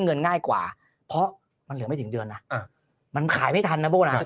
เงินง่ายกว่าเพราะมันเหลือไม่ถึงเดือนนะมันขายไม่ทันนะโบ้นะ